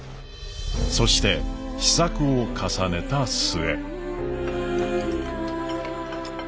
そして試作を重ねた末。